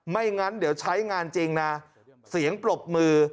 งั้นเดี๋ยวใช้งานจริงนะเสียงปรบมือ